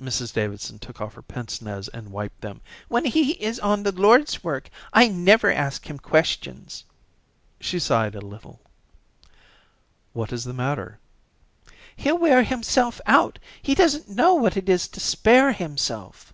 Mrs Davidson took off her pince nez and wiped them. "When he is on the Lord's work I never ask him questions." She sighed a little. "What is the matter?" "He'll wear himself out. He doesn't know what it is to spare himself."